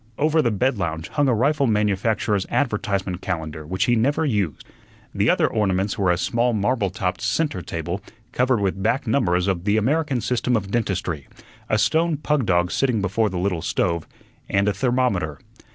Over the bed lounge hung a rifle manufacturer's advertisement calendar which he never used. The other ornaments were a small marble topped centre table covered with back numbers of "The American System of Dentistry," a stone pug dog sitting before the little stove, and a thermometer.